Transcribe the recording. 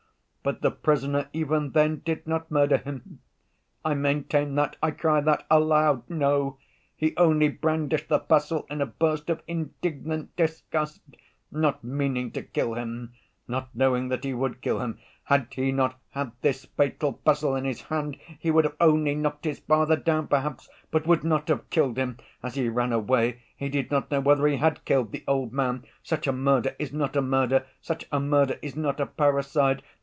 "But the prisoner even then did not murder him—I maintain that, I cry that aloud!—no, he only brandished the pestle in a burst of indignant disgust, not meaning to kill him, not knowing that he would kill him. Had he not had this fatal pestle in his hand, he would have only knocked his father down perhaps, but would not have killed him. As he ran away, he did not know whether he had killed the old man. Such a murder is not a murder. Such a murder is not a parricide.